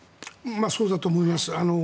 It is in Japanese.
そうだと思います。